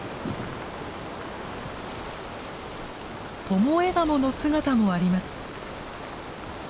トモエガモの姿もあります。